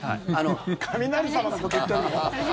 雷様のこと言ってるの？